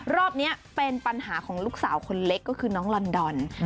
รอบนี้เป็นปัญหาของลูกสาวคนเล็กก็คือน้องลอนดอน